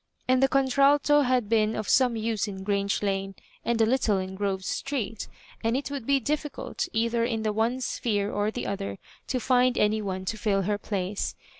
And the contralto baid been of some use in Grange Lane and a little in Grove Street, and it would be difficult, either in the one sphere or the other, to find any one to fill her place.